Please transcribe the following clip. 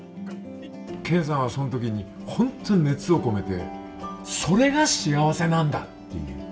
健さんは、その時に本当に熱を込めてそれが幸せなんだっていう。